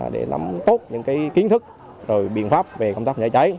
để nắm tốt những kiến thức và biện pháp về công tác phòng cháy cháy